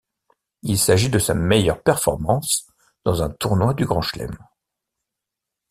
Il s'agit de sa meilleure performance dans un tournoi du Grand Chelem.